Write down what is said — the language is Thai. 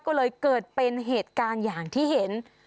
ก็เลยเกิดเป็นเหตุการณ์อย่างที่เห็น